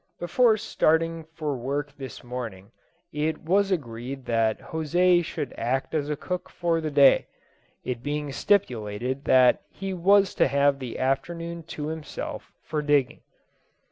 Before starling for work this morning, it was agreed that José should act as cook for the day; it being stipulated that he was to have the afternoon to himself for digging.